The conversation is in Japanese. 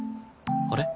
あれ？